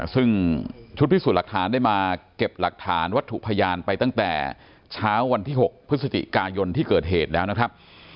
ซึ่งชุดพิสูจน์หลักฐานได้มาเก็บหลักฐานวัตถุพยานไปตั้งแต่เช้าวันที่๖พฤศจิกายนที่เกิดเหตุแล้วนะครับ